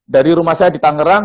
dari rumah saya di tangerang